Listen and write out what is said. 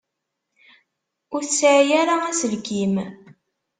Ur tesɛi ara aselkim.